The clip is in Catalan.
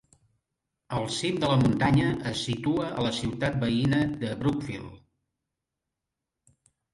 El cim de la muntanya es situa a la ciutat veïna de Brookfield.